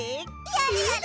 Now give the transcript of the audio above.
やるやる！